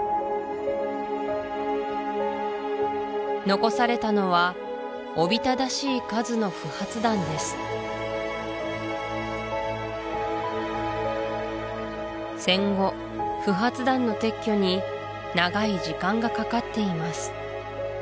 残されたのはおびただしい数の不発弾です戦後不発弾の撤去に長い時間がかかっています